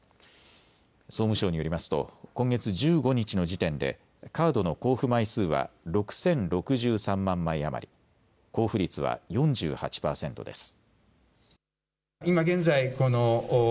総務省によりますと今月１５日の時点でカードの交付枚数は６０６３万枚余り、交付率は４８％です。